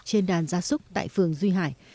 trên đàn gia súc tại phường duy hải